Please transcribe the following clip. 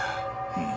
うん。